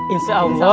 insya allah kang badun